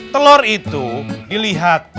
telur itu dilihat